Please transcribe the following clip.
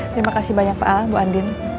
terima kasih banyak pak bu andin